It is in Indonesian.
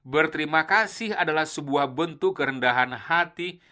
berterima kasih adalah sebuah bentuk kerendahan hati